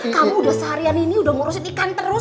kamu udah seharian ini udah ngurusin ikan terus